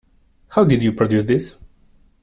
How did you produce this?